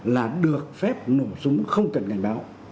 là được phép nổ súng không cần cảnh báo